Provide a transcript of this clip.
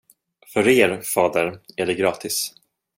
För er, fader, är det gratis.